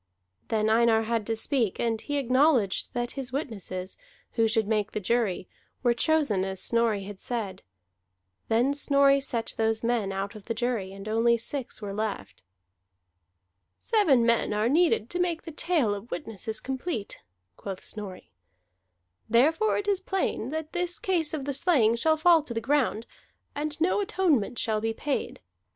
Then Einar had to speak; and he acknowledged that his witnesses, who should make the jury, were chosen as Snorri had said. Then Snorri set those men out of the jury, and only six were left. "Seven men are needed to make the tale of the witnesses complete," quoth Snorri. "Therefore it is plain that this case of the slaying shall fall to the ground, and no atonement shall be paid.